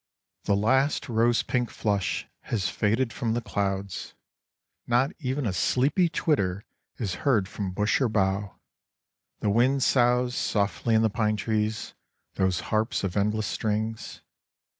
The last rose pink flush has faded from the clouds; not even a sleepy twitter is heard from bush or bough; the wind soughs softly in the pine trees, those harps of endless strings.